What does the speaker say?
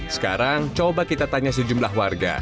sekarang coba kita tanya sejumlah warga